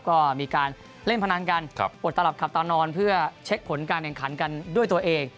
ก็มีการเล่นพนันกันอดตลับขับตานอนเพื่อเช็คผลการแข่งขันกันด้วยตัวเอง